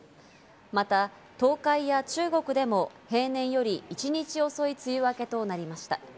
また東海や中国でも平年より１日遅い梅雨明けとなりました。